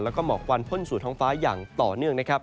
และก็หมอกวันพ่นสู่ท้องฟ้าอย่างต่อเนื่อง